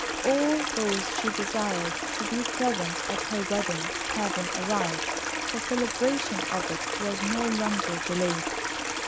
All those she desired to be present at her wedding having arrived, the celebration of it was no longer delayed.